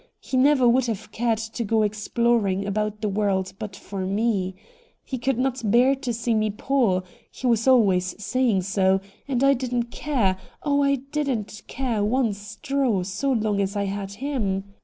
He never would have cared to go exploring about the world but for me. He could not bear to see me poor — he was always saying so — and I didn't care — oh, I didn't care one straw so long as I had him